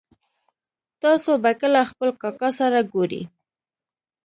تاسو به کله خپل کاکا سره ګورئ